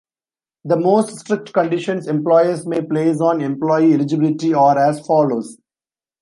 The most strict conditions employers may place on employee eligibility are as follows.